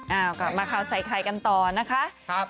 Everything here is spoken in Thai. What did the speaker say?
เอากลับมาข่าวใส่ไข่กันต่อนะคะ